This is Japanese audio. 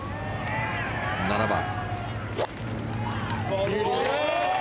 ７番。